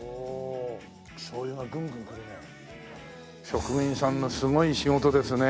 職人さんのすごい仕事ですね。